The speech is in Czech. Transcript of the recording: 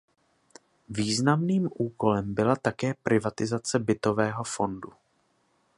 Významným úkolem byla také privatizace bytového fondu.